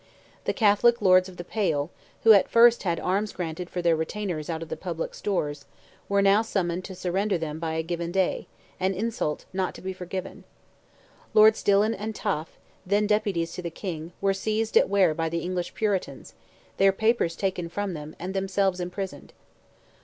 The Catholic Lords of the Pale, who at first had arms granted for their retainers out of the public stores, were now summoned to surrender them by a given day; an insult not to be forgiven. Lords Dillon and Taafe, then deputies to the King, were seized at Ware by the English Puritans, their papers taken from them, and themselves imprisoned.